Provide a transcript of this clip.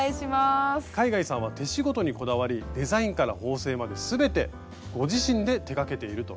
海外さんは手仕事にこだわりデザインから縫製まで全てご自身で手がけていると。